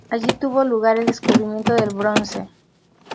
Allí tuvo lugar el descubrimiento del bronce.